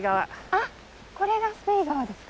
あっこれがスペイ川ですか？